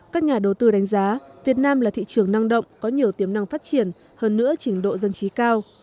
các nhà đầu tư đánh giá việt nam là thị trường năng động có nhiều tiềm năng phát triển hơn nữa trình độ dân trí cao